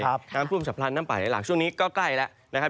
น้ำท่วมฉับพลันน้ำป่าไหลหลากช่วงนี้ก็ใกล้แล้วนะครับ